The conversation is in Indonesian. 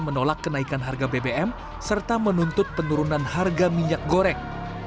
menolak kenaikan harga bbm serta menuntut penurunan harga minyak goreng